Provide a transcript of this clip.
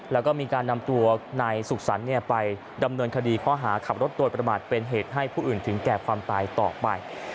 แล้วก็มีการนำตัวนายสุขสรรค์ไปดำเนินคดีข้อหาขับรถโดยประมาทเป็นเหตุให้ผู้อื่นถึงแก่ความตายต่อไป